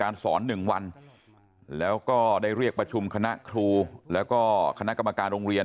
สอน๑วันแล้วก็ได้เรียกประชุมคณะครูแล้วก็คณะกรรมการโรงเรียน